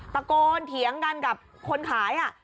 ตะโกนเถียงกันกับคนขาย